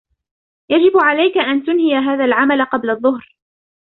يجب عليك أن تنهي هذا العمل قبل الظهر.